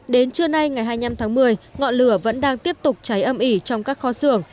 đến trưa nay ngày hai mươi năm tháng một mươi ngọn lửa vẫn đang tiếp tục cháy âm ỉ trong các kho xưởng